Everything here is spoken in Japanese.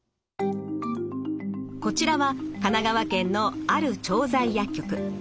こちらは神奈川県のある調剤薬局。